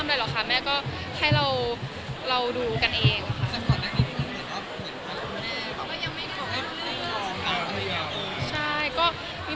ก็ขาวว่าเราไปอาบนี้ที่บ้านบ่อยแบบเนี่ย